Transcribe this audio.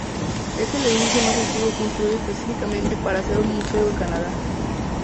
Es el edificio más antiguo construido específicamente para ser un museo en Canadá.